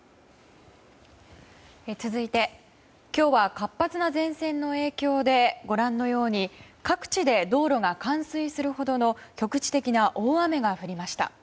続いて今日は活発な前線の影響でご覧のように各地で道路が冠水するほどの局地的な大雨が降りました。